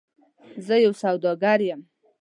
زه یو سوداګر یم .